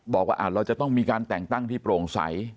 บอกว่าเราจะต้องมีการแต่งตั้งที่โปร่งใส